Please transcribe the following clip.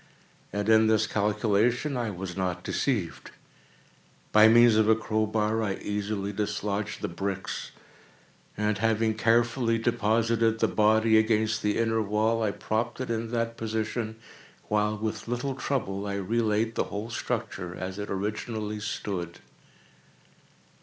And in this calculation I was not deceived. By means of a crow bar I easily dislodged the bricks, and, having carefully deposited the body against the inner wall, I propped it in that position, while, with little trouble, I re laid the whole structure as it originally stood.